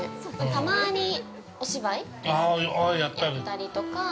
たまに、お芝居やったりとか。